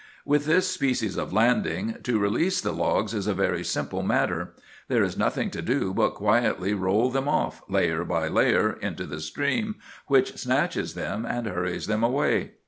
"With this species of landing, to release the logs is a very simple matter. There is nothing to do but quietly roll them off, layer by layer, into the stream, which snatches them and hurries them away.